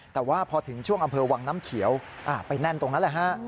แต่ว่าพอถึงช่วงอำเภอวังน้ำเขียวไปแน่นตรงนั้นแหละฮะ